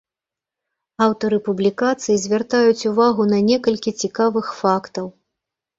Аўтары публікацый звяртаюць увагу на некалькі цікавых фактаў.